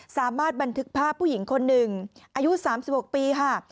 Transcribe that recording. สามารถบันทึกภาพผู้หญิงคนหนึ่งอายุ๓๖ปีค่ะ